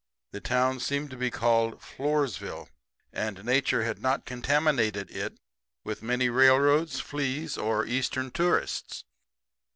The town seemed to be called Floresville, and Nature had not contaminated it with many railroads, fleas or Eastern tourists.